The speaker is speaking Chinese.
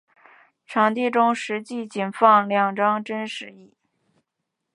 场地中实际上仅放有两张真实椅。